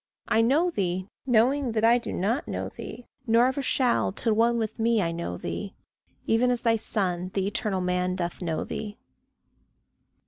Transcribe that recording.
I know thee, knowing that I do not know thee, Nor ever shall till one with me I know thee Even as thy son, the eternal man, doth know thee.